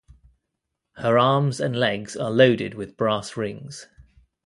Her arms and legs are loaded with brass rings.